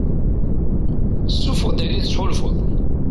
Ssuffeɣ-d ayen i tettḥulfuḍ.